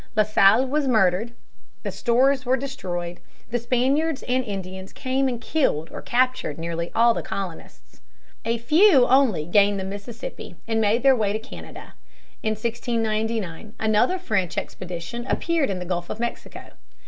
La Salle was murdered, the stores were destroyed, the Spaniards and Indians came and killed or captured nearly all the colonists. A few only gained the Mississippi and made their way to Canada. In 1699, another French expedition appeared in the Gulf of Mexico.